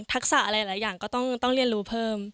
อะไรหลายอย่างก็ต้องเรียนรู้เพิ่ม